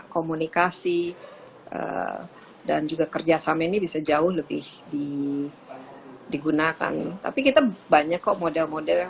komunikasi dan juga kerjasama ini bisa jauh lebih digunakan tapi kita banyak kok model model yang